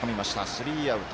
スリーアウト。